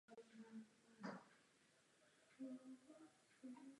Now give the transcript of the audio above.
Zveřejněna byl také oficiální zápis z projednávání zákona.